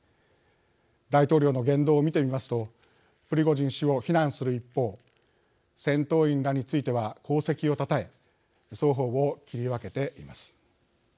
大統領の言動を見てみますとプリゴジン氏を非難する一方戦闘員らについては功績をたたえ双方を切り分けています。